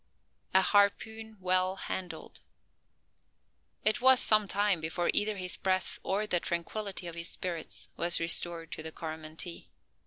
A HARPOON WELL HANDLED. It was some time before either his breath or the tranquillity of his spirits was restored to the Coromantee.